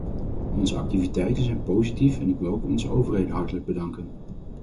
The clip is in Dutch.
Onze activiteiten zijn positief en ik wil ook onze overheden hartelijk bedanken.